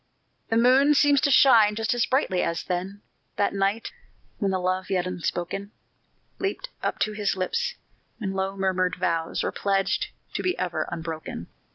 The moon seems to shine just as brightly as then, That night, when the love yet unspoken Leaped up to his lips when low murmured vows Were pledged to be ever unbroken.